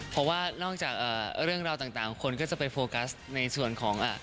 เพราะว่านอกจากเรื่องราวต่างคนก็จะไปโฟกัสในส่วนของ